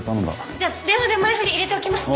じゃ電話で前振り入れておきますね。